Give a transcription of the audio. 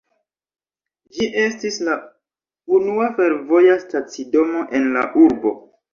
Ĝi estis la unua fervoja stacidomo en la urbo.